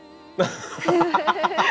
ハハハハ。